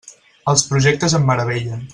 Els projectes em meravellen.